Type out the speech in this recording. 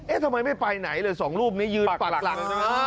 เอ๊ะทำไมไม่ไปไหนเลยสองรูปนี้ยืนปากหลักนะครับ